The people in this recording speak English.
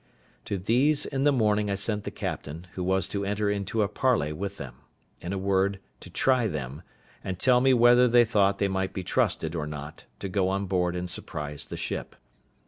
To these in the morning I sent the captain, who was to enter into a parley with them; in a word, to try them, and tell me whether he thought they might be trusted or not to go on board and surprise the ship.